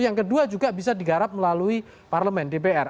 yang kedua juga bisa digarap melalui parlemen dpr